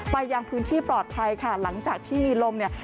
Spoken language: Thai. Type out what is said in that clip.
ยังพื้นที่ปลอดภัยค่ะหลังจากที่มีลมเนี่ย